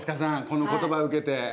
この言葉を受けて。